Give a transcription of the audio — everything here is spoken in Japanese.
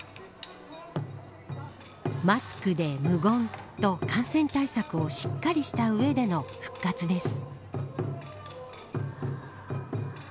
マスクで無言と、感染対策をしっかりした上での復活です。